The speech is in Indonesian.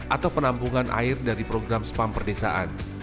atau penampungan air dari program spam perdesaan